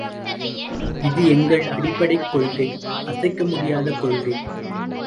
இது எங்கள் அடிப்படைக் கொள்கை அசைக் முடியாத கொள்கை.